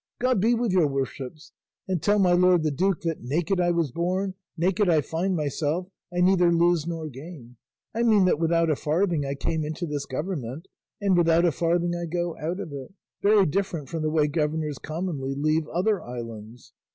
God be with your worships, and tell my lord the duke that 'naked I was born, naked I find myself, I neither lose nor gain;' I mean that without a farthing I came into this government, and without a farthing I go out of it, very different from the way governors commonly leave other islands.